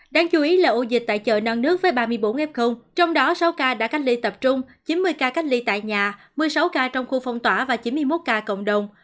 đáng chú ý là ổ dịch tại chợ non nước với ba mươi bốn f trong đó sáu ca đã cách ly tập trung chín mươi ca cách ly tại nhà một mươi sáu ca trong khu phong tỏa và chín mươi một ca cộng đồng